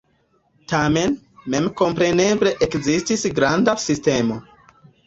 Tamen memkompreneble ekzistis granda sistemo.